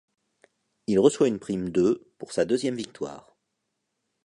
Il reçoit une prime de pour sa deuxième victoire.